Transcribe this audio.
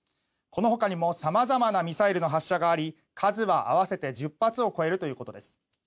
このほかにも様々なミサイルの発射があり数は合わせて１０発を超えるということです。